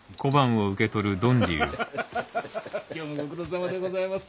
今日もご苦労さまでございます。